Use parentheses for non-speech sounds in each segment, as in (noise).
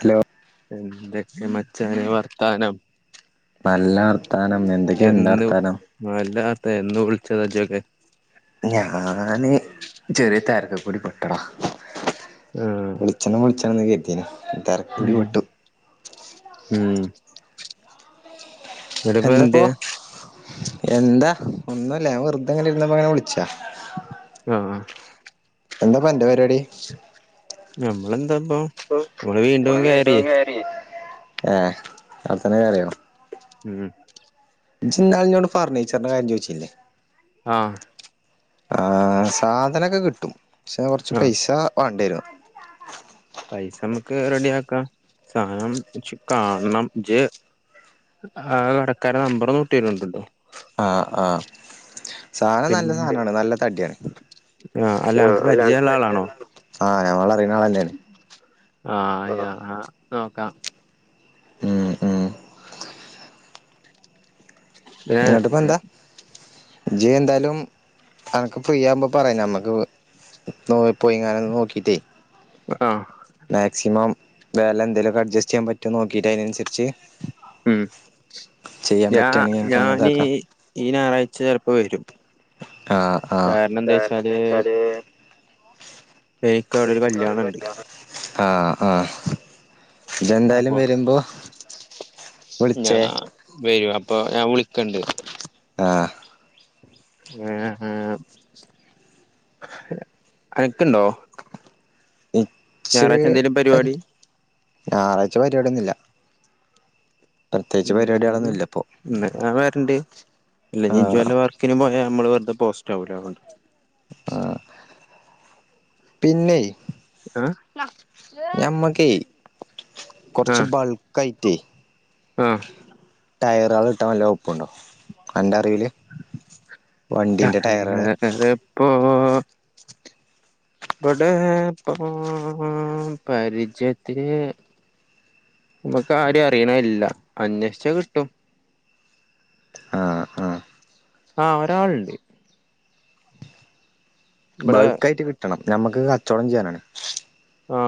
hello എന്തൊക്കെ മ ച്ചാനേ വർത്താനം നല്ലാർന്ന് താൻ അന്ന് എന്തൊക്കെയാ നിന്റെ വർത്താനം ഇപ്പോ എന്നു വിളിച്ചതാ ഇജ്ജോക്കെ ഞാന് ചെറിയ തരത്തിൽ കൂടി പെട്ട ടാ ആഹ് വിളിച്ചിന്നു വിളിച്ചേ നീ എത്തിയനെ തെരക്ക് ഉം പിടിപെട്ടു ഇവിടെ ഇപ്പൊ എന്ത് ചെയ്യുവാ എന്താ ഒന്നുമില്ല ഞാൻ വെറുതെയി ങ്ങനെ ഇരുന്നപ്പോൾ വിളിച്ചതാ ആഹ്‌ ആ എന്താ ഇപ്പം അന്റെ പരുപാടി ഞമ്മള് എന്താന്ന് ഇപ്പോ നമ്മള് വീണ്ടും കേറിയേ ആ അവിടെത്തന്നെ കേറിയോ ഉം ഇജ്ജ് ഇന്നാളിലെന്നോട് ഫർണിച്ചറിന്റെ കാര്യം ചോയിച്ചില്ലേ ആ ആ സാധനം ഒക്കെ കിട്ടും ക്ഷേ കൊർച്ച് ആഹ് പൈശാ വാണ്ടിരും പൈസ മ്മക്ക് റെഡിയാക്ക സാധനം ഇച്ച് കാണണം ഇജ് ആ കടക്കാരെ നമ്പറോന്ന് വിട്ടരേണ്ട്ണ്ടോ ആ ആ സാധനം നല്ല പിന്നെ സാനണ് നല്ല തട്യാണ് ആഹ് അല്ല അനക്ക് പരിചയള്ള ആളാണോ ആ ഞമ്മളറിയണാലെന്നാണ് നോക്കാ ഉം ഉം പിന്നേ ജ് എന്തായലും അനക്ക് ഫ്രീ ആവുമ്പ പറയ് ഞമ്മക്ക് നോ പോയിങ്ങാനും നോക്കിട്ട് ആഹ് മാക്സിമം വെല എന്തേലൊക്ക അഡ്ജസ്റ്റ് ചെയ്യാൻ പറ്റോ നോക്കിട്ട് ആയിനനുസരിച് ഉം ഞാ പറ്റുകയാണെങ്കിൽ നമുക്ക് ഞാൻ നീ അങ്ങനെതാക്കാം ഈ ഞാറാഴ്ച ചെലപ്പവ രും ആ ആ ഏക്ക് അവിടൊരു കല്യാണണ്ട് ആ ആ അപ്പൊ ഞാ വിളിച്ചേ വരും അപ്പൊ ഞാൻ വിളിക്കണ്ട് ആ ആ ആ ഞാറായ്ച എന്തേലും പരിവാടി ഞാറായ്ച പരിവാടിന്നുല്യ ഉം ഉം ന്നാ ഞാൻ വരണ്ട് ഇല്ലെങ്കി ഇജ്ജ് ആഹ് വെല്ല വർക്കിനു പോയ നമ്മള് വെർ തെ പോസ്റ്റവൂലെ അവ്ടെ പിന്നേയ് ആ ഞമ്മക്കെ കൊറച്ച് ബൾക്കായി റ്റേ ആ ടയറോള് കിട്ടാൻ വല്ലവകു പ്പുണ്ടോ അന്റെ അറിവില് വണ്ടീന്റെ ടയറാള് പ്പോ ഇബടേ പ്പോ പരിചയത്തില് ന മ്ക്കാരേം അറിയണേല്ല അനേഷിച്ച കിട്ടും ആ ആ ആ ഒരാള്ണ്ട് ഇവിടെ ബൾക്കായ്റ്റ് കിട്ടണം ഞമ്മക്ക് കച്ചോടം ചെയ്യനാണ് ആ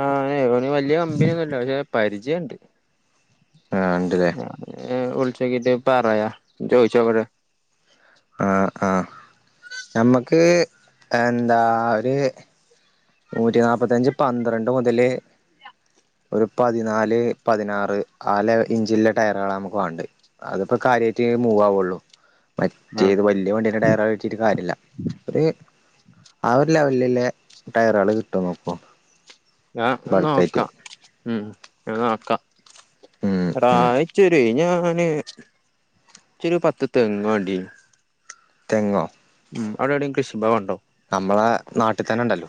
ആ ഏ ഒ വല്ല്യ കമ്പിനിന്നുല്ല പഷേ പരിചയണ്ട് ആഹ് ഉണ്ടല്ലേ (unintelligible) ന വ്ള് ചോക്കിട്ട് പറയാ ചോയ്ച്ചോകട്ടെ ആ ആഹ് നമ്മക്ക് എന്താ ഒര് നൂറ്റി നാപ്പാത്തഞ്ച് പന്ത്രണ്ട് മുതല് ഒരു പതിനാല് പതിനാറ് ആ ലെ ഇഞ്ച്ള്ള ടായറാണ് അമക്ക് വാണ്ടെ അത്പ്പ കാര്യായ്റ്റ് മൂവാവുള്ളു ആഹ് മറ്റേത് വല്ല്യ വണ്ടിന്റെ ടയറള് വിറ്റീട്ട് കാര്യല്ല ഒര് ആ ഒര് ലെവല്ല്ല്ലേ ടയറള് ക്ട്ടോ നോക്കോ ആ ന്നോക്കാ മ്മ് നോക്കാ ഉം എടാ ഉം ഇച്ചൊര് നാ ന് ച്ചൊര് പത്ത് തെങ്ങ് വണ്ടിയിനു തെങ്ങോ മ്മ് അവിടെവിടെയും കൃഷിഭവൻ ഉണ്ടോ നമ്മള നാട്ട് ത്തന്ന ണ്ടല്ലോ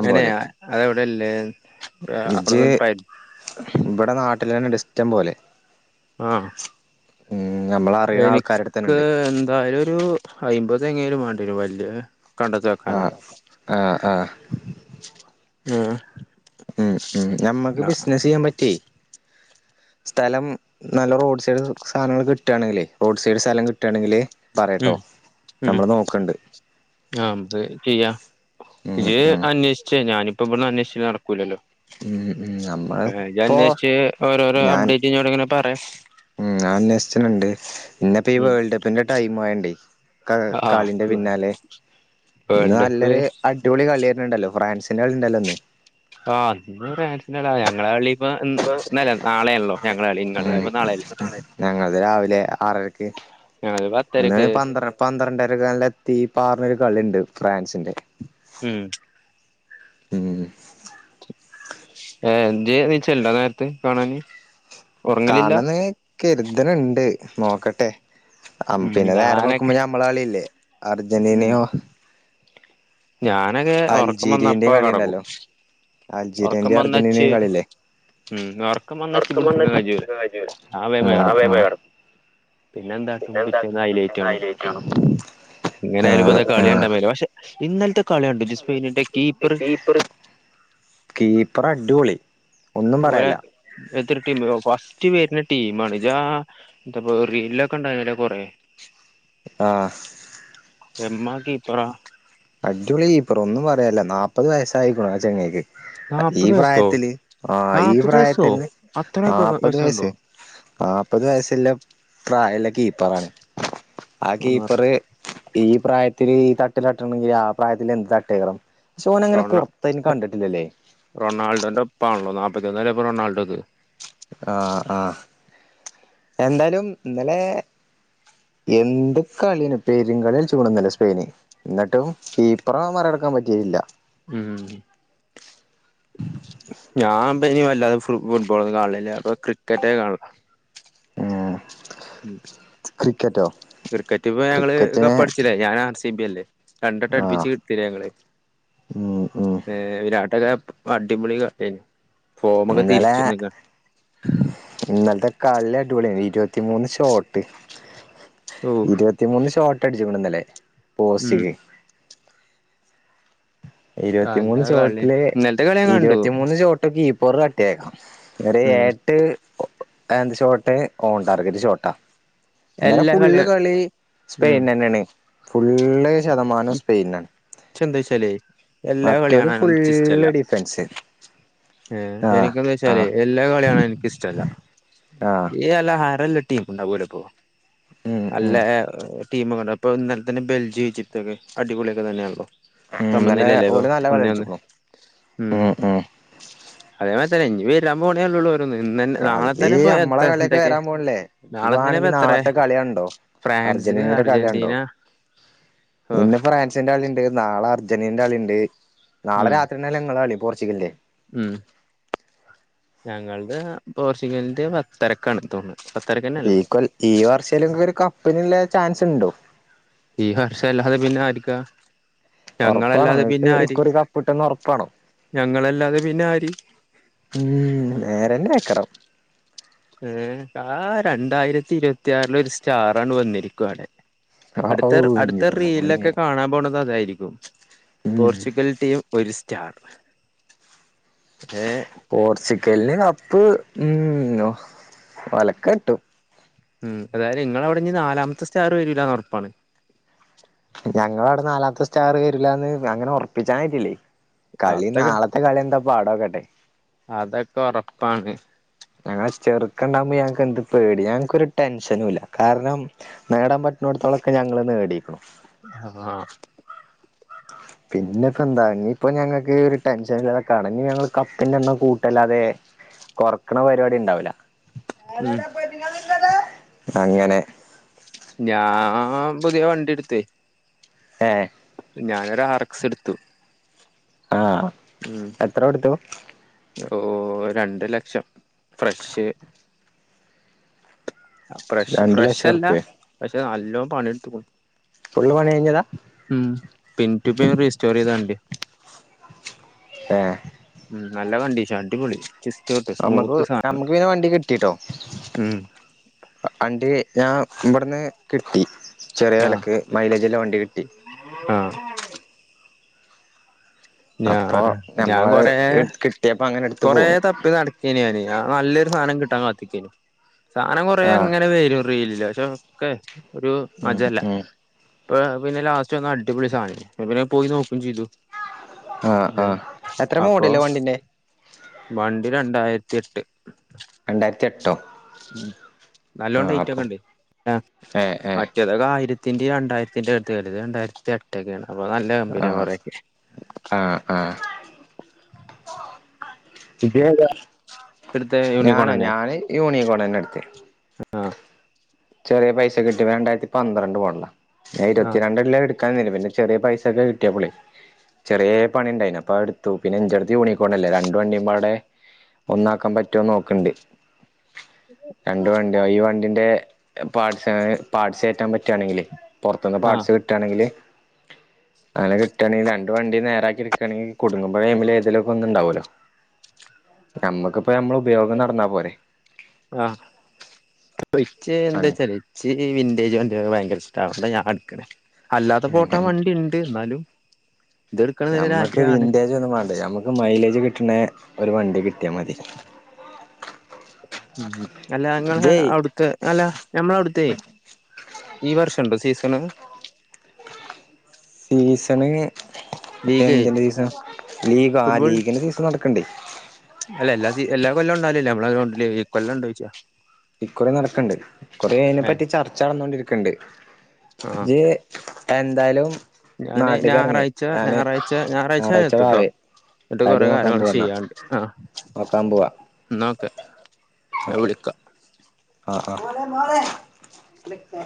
ങ്ങനെയാ അതെവ്ടെല്ലേ അ അപ്പുറത്തും പരി (unintelligible) ബ്ട നാട്ടിലെന്നണ്ട് ഇഷ്ട്ടം പോലെ ആഹ് മ്മ് എനിക്ക് ന്തായാലൊരു അയ്മ്പ ത് എങ്കിലും വാണ്ട്യരു വല്ല്യ ആഹ് ആ ആഹ് മ്മ് മ്മ് മ്മ് നമ്മക്ക് ബിസ്സ്നസെയ്യാൻ പറ്റേ സ്ഥലം നല്ല റോഡ്സൈഡ് സാനങ്ങള് കിട്ടാണെങ്കിലെ റോഡ്സൈഡ് സലം കിട്ടാണെങ്കില് മ്മ് പറയട്ടോ മ്മ് നമ്മള് നോക്കണ്ട് ആഹ് ത് ചെയ്യാ ഉം ഇജ് ഉം അന്യേ ശ്ച്ച് ഞാന് പ്പൊ ബ്ട്ന്നന്യേശ്ച് നടക്കൂല്ലല്ലോ മ്മ് മ്മ് നമ്മള് പ്പോ അന്വേഷിച്ച് ഓരോരോ ഞാൻ അപ്ഡേറ്റ് ഇഞ്ഞോട് ഇങ്ങനെ പറയാ ഞാ അന്നേശ്ച്ണ് ണ്ട് പിന്നെ ഇപ്പീ ഉം വേൾഡ് കപ്പിന്റെ ടൈം ആയൊണ്ടേ ക ആഹ് കളിന്റെ പിന്നാലെ ഇന്ന് വേൾഡ് കപ്പ് നല്ലൊര് അടിപൊളി കളി വര് ന്ണ്ടല്ലോ ഫ്രാൻസ് ൻ്റെ കളിണ്ടല്ലോ ന്ന് ആ ഇന്ന് (unintelligible) ഞങ്ങളെ കളി ഇപ്പ ഇന്നല്ല നാളെയാണല്ലോ ഞങ്ങളെ കളി ഇങ്ങൾത് ഇപ്പ നാളെയല്ലേ ഞങ്ങൾത് രാവിലെ ആറരക്ക് ഞങ്ങൾത് ഇന്ന് പത്തരക്ക് പന്ത്രണ്ട പന്ത്രണ്ടരകലിനെ ത്തി പാറണ കളിണ്ട് ഫ്രാൻസിന്റെ ഉം ഉം ഏ എന്ത്യേ (unintelligible) നേരത്ത് കാണാന് ഉറങ്ങലില്ല കാണണംന്ന് കരുത് ണ് ണ്ട് നോക്കട്ടെ ഉം പിന്നെ അം നേരം ഞാനൊക്കെ വെളുക്കുമ്പോ നമ്മള കളിയല്ലേ ഉം അർജന്റീനയോ ഞാനൊക്കെ ഉറക്കംവന്ന അൽജീരിയന്റെയും അപ്പം കെടക്കും കളിണ്ടല്ലോ ഉറക്കം അൽജീരിയന്റെ വന്ന ച്ച് അർജന്റീനയും കളില്ലേ ഉം ഉറക്കംവന്ന ച്ച് പിടിച്ചിക്കാൻ കയ്യൂല ഞാവേം ആ പോയി കിടക്കും പിന്നെന്താട്ടും പിറ്റേന്ന് ഹൈലൈറ്റ് കാണും എങ്ങനായാലും ആ ഇപ്പത് ആ കളി കണ്ടാ മതീലെ പക്ഷെ ഇന്നൽത്തെ കളികണ്ടോ ജ് സ്പെയ്നിന്റെ കീപ്പറ് കീപ്പറ് അടിപൊളി ഒന്നും ഓലെ പറയാനില്ല (unintelligible) ഫസ്റ്റ് വരുന്ന ടീം ആണ് ല്ലാ റീൽലൊക്കെ ഉണ്ടായിരുന്നല്ലോ കൊറേ ആ എമ്മ കീപറാ അടിപൊളി കീപ്പറ് ഒന്നും പറയാനില്ല നാപ്പത് വയസായിക്കുണു ആ ചങ്ങായിക്ക്‌ ഈ നാപ്പത് വയസ്സോ പ്രായത്തില് ആ ഈ നാപ്പത് വയസ്സോ പ്രായത്തില് അത്ര നാപ്പത് വയസ്സുണ്ടോ വയസ്സ് നാപ്പത് വയസ്സില്ല പ്രായല്ല കീപ്പറാണ് ആ കീപ്പറ് ഈ പ്രായത്തില് ഈ തട്ടില ആ പ്രായത്തില് എന്ത് തട്ടിയേക്കണം ചോനങ്ങന റൊണ പൊറത്തയിന് കണ്ടിട്ടില്ലല്ലേ റൊണാൾഡോന്റെ (unintelligible) ആ ആ എന്തായാലും ഇന്നലെ എന്ത് കളിയാണ് പെരുംകളി കളിച്ചു ഇന്നലെ സ്പെയിന് എന്നിട്ടും കീപ്പറ മറികടക്കാൻ പറ്റീല ഉം ഞാൻ ബനിവല്ലാതെ ഫുട്ബോൾ കാണലില്ല ക്രിക്കറ്റെ കാണാത്തൊള്ളൂ ഉം ക്രിക്കറ്റോ ക്രിക്കറ്റിപ്പോ ഞങ്ങള് ക്രിക്കറ്റിനെ കപ്പടിച്ചില്ലേ ഞാനാ (unintelligible) രണ്ട്ട്ടം ആ അടിപ്പിച്ച് എടുത്തില്ലേ ഞങ്ങള് ഉം ഉം ഏ (unintelligible) അടിപൊളി കളിയ ഇന്നല ഇന്നല്ത്തെ കളി അടി അടിപൊളിയാരുന്നു ഇരുപത്തിമൂന്ന് ഷോർട്ട് ഓഹ് ഇരിപ്പത്തിമൂന്ന് ഷോർട്ട് അടിച്ചു വീണു ഇന്നലെ ഓ ഉം ശരി നല്ല ഇരുപത്തിമൂന്ന് കളി ഷോട്ടിലെ ഇന്നലത്തെ കളി ഞാൻ കണ്ടു ഇരുപത്തിമൂന്ന് ഷോട്ട് ഒക്കെ ചെയ്യും (inaudible) ഉം (unintelligible) ഷോട്ട് (inaudible) ഇന്നലെ എല്ലാ ഫുള്ള് കളിയും കളി ഉം സ്പെയിൻ തന്നെയാണ് ഫുള്ള് ശതമാന സ്പെയിൻ ആണ് ചന്ത ചലേ (inaudible) മറ്റൊരു ഫുള്ള് ഡിസൈൻ ഷൻ ഒ എനിക്ക് ചല എല്ലാ കളിയും കാണാനിക്കിഷ്ടമില്ല ആഹ് ഇനിയെല്ലാം ആരല് ടീമിന് ഉണ്ടാവില്ലപ്പോ ഉം ഉം എല്ലാ ടീമുകളും അപ്പോഇന്നലെ തന്നെ ബെൽജി ഈജിപ്തക്കെ അടിപൊളി ആണല്ലോ ഇന്നലെ ഓന് നല്ലകളി കളിച്ചപ്പോൾ ഉം ഉം അതു മനസ്സിലായി ഇനി വരാൻ പോണില്ലേ ഉള്ളൂ ഓരോന്ന് ഇന്ന് നാളെ കളി തന്നെ ഇപ്പൊ നമ്മുടെ എത്ത കളിയൊക്കെ എന്തൊക്കെ വരാൻ പോണില്ലേ നീ നാളെ തന്നെ ഇപ്പ വേണമെങ്കിൽ എത്ര നാളത്തെ കളി കണ്ടോ അർജന്റീന കളി കണ്ടോ ഇന്ന് ഫ്രാൻസിന്റെ കളിയുണ്ട് നാളെ അർജൻ അർജന്റീന കളിയുണ്ട് നാളെ ഉം രാത്രിയിൽ നിങ്ങളുടെ കളി പോർച്ചുഗലിന്റെ ഉം പോർച്ചുകൽന്റെ പത്തരക്കാണ് തോ ഈക്വൽ ഈ വർഷേലെ (unintelligible) ഒര് കപ്പ്നില്ലെ ചാൻസ്ണ്ടോ ഈ വർഷം അല്ലാതെ പിന്നെ ആര്ക്കാ ഒറപ്പാണോ ഇങ്ങക്ക് (unintelligible) ഒരു കപ്പ് കിട്ടുന്ന് ഒറപ്പാണോ ഞങ്ങളല്ലാതെ പിന്നെ ആര് ഉം നേരെന്നേക്കരം ഏ ആ രണ്ടായിരെത്തി ഇരുപത്തിയാറ്ല് ഒര സ്റ്റാറാണ്ട് വന്നിരിക്കുവടെ ഔ അട്ത്ത അട്ത്ത ഇന്റെ മോനെ റീൽലൊക്കെ കാണാൻ പോണതതായി (unintelligible) ഉം പോർച്ചുഗൽ ടീം ഒര് സ് സ്റ്റാർ ഏ പോർച്ച് ഗെല്ല് കപ്പ് ഉം ഒലക്ക കിട്ടും ഉം അതായത് ഇങ്ങളെ അവ്ടെ ഞ്ഞ് നാലാമത്തെ സ്റ്റാറ് വരൂലാന്നാെറപ്പാണ് ഞങ്ങളാടെ നാലാമത്തെ സ്റ്റാറ് വരുലാന്ന് അങ്ങനെ ഒറപ്പിച്ചാനായിട്ടില്ലേ കളി അതൊക്കെ നാളത്തെ കളി എന്താ പാടൊക്കെട്ടെ അതൊക്കെ ഉറപ്പാണ് ഞങ്ങളെ ചെർക്കണ്ടാമ്പോ ഞങ്ങ്കെന്ത് പേടി ഞങ്‌ക്കൊരു ടെൻഷനുല്ല കാരണം നേടാൻ പറ്റ്നോട്ത്തോളൊക്കെ ഞങ്ങള് നേടീക്കുണു ആ പിന്നെപ്പെന്താ ഇഞ്ഞിപ്പം ഞങ്ങക്ക് ഒരു ടെൻഷന്ല്ല കടഞ് ഞങ്ങള് കപ്പിന്റെണ്ണം കൂട്ടെല്ലാതെ കൊറക്ക്‌ണ പര്പാടിണ്ടാവൂല ഉം ആരാടാ പെണ്ണ്ങ്ങള് ള്ളത് അങ്ങനെ തെ ഏ ഞാനൊരാറെക്സ് ട്ത്തു ആ എത്ര കൊടുത്തു ഓഓ രണ്ട് ലക്ഷം ഫ്രഷ് അ ഫ്രഷ് രണ്ട് ലക്ഷം ഫ്രഷല്ല ഉറുപ്യേ പ ത് നല്ലോം പണിട്ത്ത്ക്കുണു ഫുള്ള് പണി കഴിഞ്ഞതാ മ് പിൻറ്റൂപേ റീസ്റ്റോറെയ്താണ്ടി ഏ ഉം നല്ല കണ്ടീഷൻ അടിപൊളി ചെസ് നമ്മക്ക് ഞമ്മക്ക് പിന്നെ വണ്ടി കിട്ടിട്ടോ ഉം അണ്ടിവേ ഞാം ബ ന്ന് കിട്ടി ചെറ്യേ ആഹ് വെലക്ക് മൈലേജ്ല്ലെ വണ്ടികിട്ടി ആഹ് ഞാ ഞാൻ നമ്മള് കൊറേ കിട്ടിയപ്പോ അങ്ങനെ എടുത്ത് കൊറേ പോന്നു തപ്പി നടക്കേനി ഞാന് ഞാ നല്ലൊരുസാനം ക് ട്ടാൻ കാത്ത്ക്കേനു സാനം കൊറേ ആഹ് ങ്ങനെ വരും റീൽ അത്യാവശ്യ മൊക്കെ ഒരു ഉം മജല്ല ഉം ഇപ്പൊ പിന്നെ ലാസ്റ്റ് വന്ന അടിപൊളി സാധനം ഇപ്പം പിന്നെ പോയി നോക്കുകയും ചെയ്തു ആഹ് ആഹ് എത്ര അപ്പൊ മോഡല് വണ്ടിന്റെ വണ്ടി രണ്ടായിരത്തി എട്ട് രണ്ടായിരത്തി എട്ടോ നല്ലോം ആഹ് അപ്പൊ ടൈട്ടൊക്കെ ഇണ്ട് ഏഹ് ഏഹ് മറ്റേതൊക്കെ ആയിര ത്തിന്റെയും രണ്ടായിരത്തിന്റെയും അകത്ത് വരും ഇത് രണ്ടായിരത്തി എട്ടൊക്കെ ആണ് അപ്പ നല്ല കമ്പനിയാ കുറെയൊക്കെ ആ ആ ഇതേതാ എടുത്ത ഞാന് ഞാന് യൂണികോണ് തന്നെയാ എടുത്തേ ആ ചെറിയ പൈസക്ക് കിട്ടി രണ്ടായിരത്തി പന്ത്രണ്ട് മോഡലാ ഞാൻ ഇരുപത്തി ആഹ് രണ്ടല്ല എടു കഴിഞ്ഞില്ലേ പിന്നെ ചെറിയ പൈസക്ക് കിട്ടിയപ്പോളെ ചെറിയ പണിയുണ്ടായിനു അപ്പൊ അതെടുത്തു പിന്നെ എന്റടുത്തും യുണിക്കോണല്ലേ രണ്ടും വണ്ടിയമ്പാടെ ഒന്നാക്കാൻ പറ്റുമോന്ന് നോക്കിൻണ്ട് രണ്ടു വണ്ടിയും ഈ വണ്ടിന്റെ പാർട്സ് പാർട്സ് കേറ്റാൻ പറ്റാണെങ്കിലെ പുറത്ത് നിന്ന് ആഹ് പാർട്സ് കിട്ടുവാണെങ്കില് അങ്ങനെ കിട്ടാണെങ്കിൽ രണ്ട് വണ്ടിയും നേരാക്കി എടുക്കാണെങ്കിൽ കുടുങ്ങുമ്പോഴ് ഇതിൽ ഏതേലുമൊക്കെ ഒന്ന് ഇണ്ടാവല്ലോ നമ്മക്ക് ഇപ്പോ നമ്മടെ ഉപയോഗം നടന്നാ പോരെ എന്താച്ചേല് ഇച്ചിരി വിന്റെജ് വണ്ടി (unintelligible) (unintelligible) ഞാൻ അടിക്കണ് അല്ലാതെ ഇപ്പോ ഓട്ടാൻ വണ്ടിയുണ്ട് എന്നാലും ഇത് എടുക്കണം എന്നൊരു ഞമ്മക്ക് ആഗ്രഹാണ് വിന്റെജ് ഒന്നും വേണ്ട ഞമ്മക്ക് മൈലേജ് കിട്ടണ ഒരു വണ്ടി കിട്ടിയാമതി അല്ലാ ഇങ്ങള് ജയ് അവിടുത്തെ അല്ലാ ഞമ്മളെ അവിടുത്തെയെ ഈ വർഷം ഇണ്ടോ സീസണ് സീസണ് ലീഗേ എന്ത് സീസൺ ലീഗാ ഫുട്ബോൾ ലീഗിന്റെ സീസൺ നടക്കിൻണ്ട് അല്ല എല്ലാ എല്ലാ കൊല്ലവും ഇണ്ടാവലില്ല ഞമ്മള് ഗ്രൗണ്ടില് ഈ കൊല്ലം ഇണ്ടോ ചോദിച്ചതാ ഇക്കുറി നടക്കണുണ്ട് ഇക്കുറി അതിനെ പറ്റി ചർച്ച നടന്നോണ്ടിരിക്കിണ്ട് ആഹ് ഇജ് എന്തായാലും ഞാന് നാട്ട്ക്കെറങ്ങ് ഞായറാഴ്ച്ച ഞാന് ഞായറാഴ്ച്ച ഞായറാഴ്ച്ച ഞാന് ഞായറാഴ്ച എത്തുട്ടോ വാവേ എന്നിട്ട് തടി കൊറേ നോക്കാൻ കാര്യങ്ങള് പോവാന്നാ ചെയ്യാനിണ്ട് ആ നോക്കാൻ പോവാ എന്നാ ഓക്കെ ഞാൻ വിളിക്കാം ആ ആ ആ